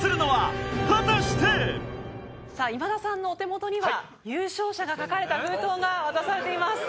今田さんのお手元には優勝者が書かれた封筒が渡されています。